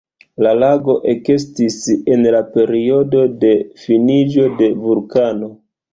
La lago ekestis en la periodo de finiĝo de vulkana.